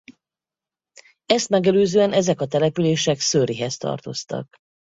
Ezt megelőzően ezek a települések Surreyhez tartoztak.